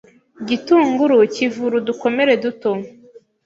Igitunguru kivura udukomere duto